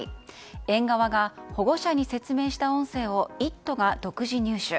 園側が保護者に説明した音声を「イット！」が独自入手。